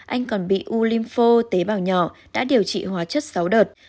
anh còn bị u lympho tế bào nhỏ đã điều trị hóa chất sáu đợt